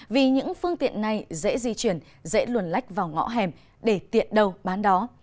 vì những phương tiện này dễ di chuyển dễ luồn lách vào ngõ hẻm để tiện đầu bán đó